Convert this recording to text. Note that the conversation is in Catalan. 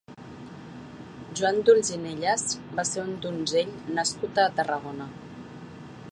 Joan d'Olzinelles va ser un donzell nascut a Tarragona.